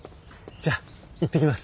じゃあ行ってきます。